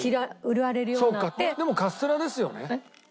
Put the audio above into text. でもカステラですよね。